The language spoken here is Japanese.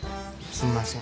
すんません。